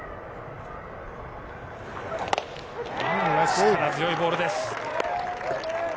力強いボールです。